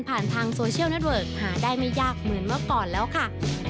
ทางโซเชียลนัทเวิร์กหาได้ไม่ยากเหมือนเมื่อก่อนแล้วค่ะ